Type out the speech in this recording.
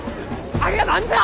ありゃ何じゃ！？